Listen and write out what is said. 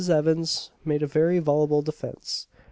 Evans made a very voluble defence.